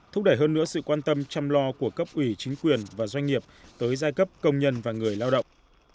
thúc đẩy hơn nữa sự quan tâm chăm lo của cấp ủy chính quyền và doanh nghiệp tới giai cấp công nhân và người lao động